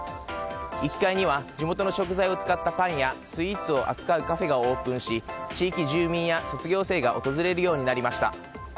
１階には地元の食材を使ったパンやスイーツを扱うカフェがオープンし地域住民や卒業生が訪れるようになりました。